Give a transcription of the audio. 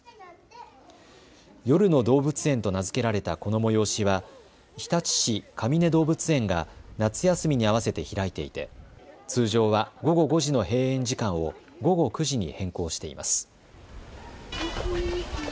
夜の動物園と名付けられたこの催しは日立市かみね動物園が夏休みに合わせて開いていて通常は午後５時の閉園時間を午後９時に変更しています。